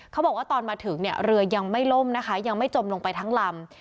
เขาบอกว่าตอนมาถึงเนี่ยเรือยังไม่ล่มนะคะยังไม่จมลงไปทั้งลำ